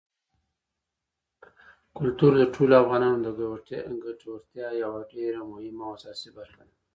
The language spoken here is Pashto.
کلتور د ټولو افغانانو د ګټورتیا یوه ډېره مهمه او اساسي برخه ده.